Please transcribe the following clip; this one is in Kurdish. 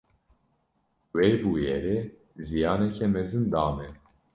Wê bûyerê ziyaneke mezin da me.